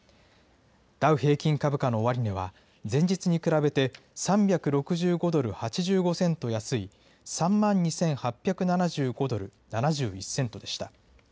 ダウ平均株価の終値は、前日に比べて３６５ドル８５セント安い、３万２８７５ドル７１セントでした。